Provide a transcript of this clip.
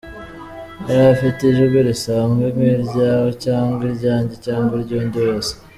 Yari afite ijwi risanzwe nk’iryawe cyangwa iryanjye cyangwa iry’undi wese.